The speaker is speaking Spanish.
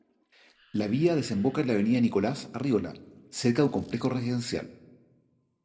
La vía desemboca en la avenida Nicolás Arriola, cerca de un complejo residencial.